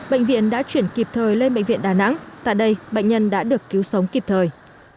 bệnh viện đã chuyển kịp thời lên bệnh viện đà nẵng tại đây bệnh nhân đã được cứu sống kịp thời